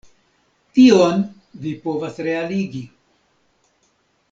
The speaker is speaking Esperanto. Tion vi povas realigi.